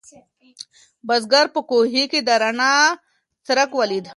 بزګر په کوهي کې د رڼا څرک ولید.